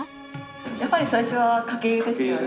やっぱり最初はかけ湯ですよね。